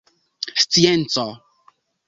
scienco